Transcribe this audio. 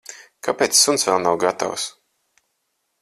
Kāpēc suns vēl nav gatavs?